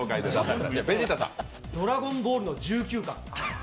「ドラゴンボール」の１９巻。